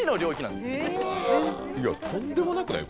とんでもなくない？